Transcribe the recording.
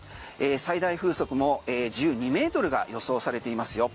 最大風速も１２ｍが予想されていますよ。